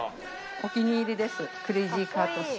お気に入りですクレイジーカートシフト。